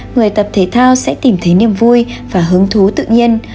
người tập thể thao sẽ tìm thấy niềm vui và hứng thú tự nhiên